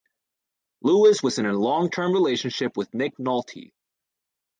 Lewis was in a long-term relationship with Nick Nolte.